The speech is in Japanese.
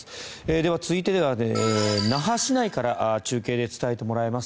では続いては、那覇市内から中継で伝えてもらいます。